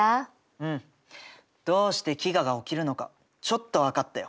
うん。どうして飢餓が起きるのかちょっと分かったよ。